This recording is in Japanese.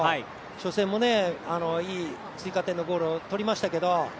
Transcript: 初戦もいい追加点のゴールをとりましたけど